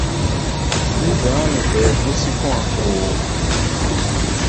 Mí za̧á̧ nu ɓɛɛ gbó sí kɔ̧́-a̧ hoo.